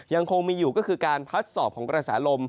ยังคงมีอยู่ก็คือการพัดสอบของกระแสลม